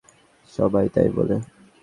সবাই তাই বলে।